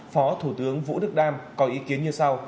phó thủ tướng vũ đức đam có ý kiến như sau